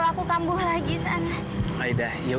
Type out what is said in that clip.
iya ya pasti mama merestui kalian